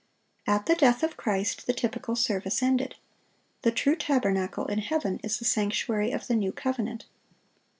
At the death of Christ the typical service ended. The "true tabernacle" in heaven is the sanctuary of the new covenant.